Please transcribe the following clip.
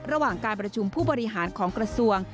ระหว่างการประชุมผู้บริหารของกระทรวง